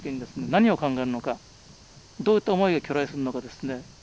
何を考えるのかどういった思いが去来するのかですね